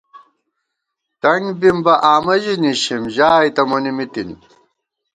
تنگ بِم بہ آمہ ژِی نِشِم، ژائے تہ مونی مِی تِنی